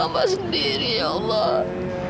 ya allah anakku sendiri ya allah